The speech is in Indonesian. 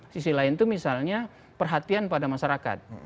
sisi lain itu misalnya perhatian pada masyarakat